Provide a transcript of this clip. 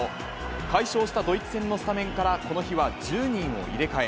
快勝したドイツ戦のスタメンからこの日は１０人を入れ替え。